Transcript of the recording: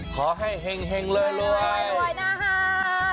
ขอให้แห่งเรื่อยนะฮะ